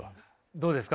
どうですか？